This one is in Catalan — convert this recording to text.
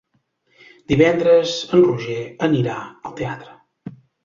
Divendres en Roger anirà al teatre.